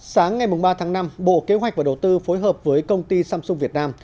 sáng ngày ba tháng năm bộ kế hoạch và đầu tư phối hợp với công ty samsung việt nam